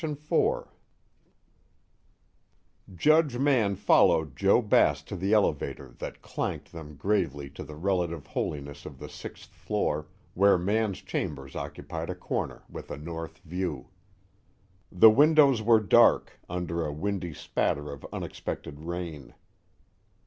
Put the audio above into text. _ IV Judge Mann followed Joe Bass to the elevator that clanked them gravely to the relative holiness of the sixth floor, where Mann's chambers occupied a corner with a north view. The windows were dark, under a windy spatter of unexpected rain.